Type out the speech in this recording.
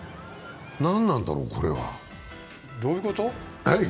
なんなんだろうこれは？